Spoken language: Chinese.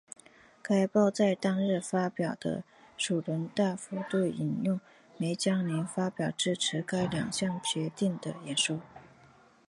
该报在当日发表的社论大幅度引用梅隆尼发表支持该两项协定的演说。